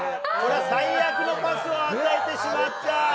最悪のパスを与えてしまった。